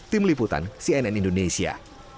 tim liputan cnn indonesia